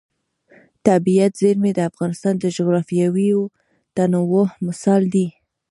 طبیعي زیرمې د افغانستان د جغرافیوي تنوع مثال دی.